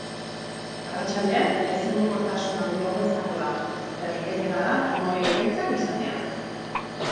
Arratsaldean, ezegonkortasun handiagoa izango da, eta litekeena da trumoi-ekaitzak izatea.